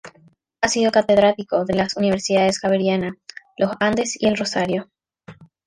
Ha sido catedrático de las universidades Javeriana, Los Andes y El Rosario.